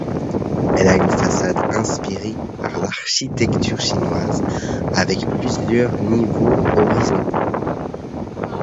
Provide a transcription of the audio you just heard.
Elle a une façade inspirée par l'architecture chinoise, avec plusieurs niveaux horizontaux.